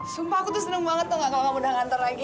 sumpah aku tuh seneng banget tuh gak kalau kamu udah nganter lagi